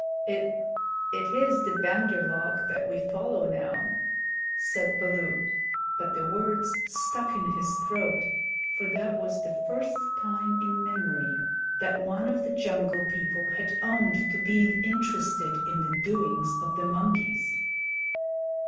"It it is the Bandar log that we follow now," said Baloo, but the words stuck in his throat, for that was the first time in his memory that one of the Jungle People had owned to being interested in the doings of the monkeys.